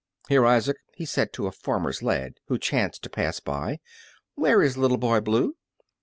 "Here, Isaac," he said to a farmer's lad who chanced to pass by, "where is Little Boy Blue?"